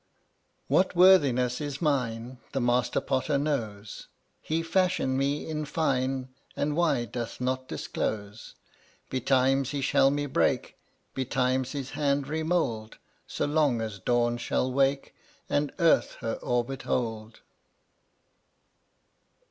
116 What worthiness is mine The Master Potter knows; He fashioned me, in fine, And why doth not disclose. Betimes, He shall me break; Betimes, His hand remould — So long as dawns shall wake And earth her orbit hold.